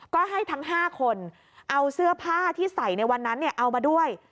ก็ให้ทั้ง๕คนเอาเสื้อผ้าที่ใส่ในวันนั้นเอามาด้วย